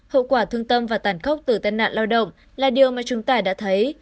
hậu quả thương tâm và tàn khốc từ tai nạn lao động là điều mà chúng ta đã thấy